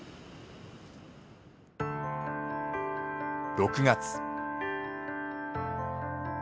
６月。